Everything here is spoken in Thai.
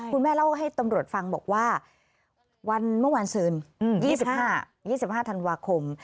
เล่าให้ตำรวจฟังบอกว่าวันเมื่อวานซืน๒๕๒๕ธันวาคม